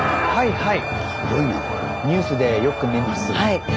はい。